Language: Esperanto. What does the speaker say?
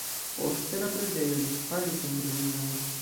Poste la preĝejo disfalis en ruinoj.